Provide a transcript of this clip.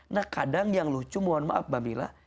nah kadang yang lucu mohon maaf mbak mila